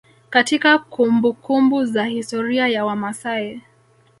Katika kumbumbuku za historia ya wamasai